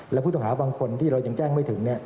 และผู้ต้องหาบางคนที่เรายังแจ้งไม่ถึง